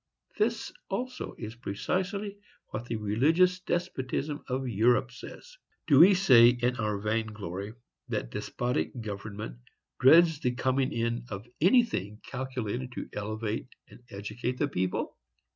—This, also, is precisely what the religious despotism of Europe says. Do we say, in our vain glory, that despotic government dreads the coming in of anything calculated to elevate and educate the people?